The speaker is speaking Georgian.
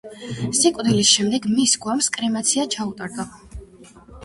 სიკვდილის შემდეგ მისი გვამს კრემაცია ჩაუტარდა.